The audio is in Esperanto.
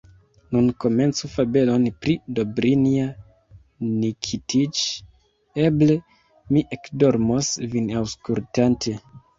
Nun komencu fabelon pri Dobrinja Nikitiĉ, eble mi ekdormos, vin aŭskultante!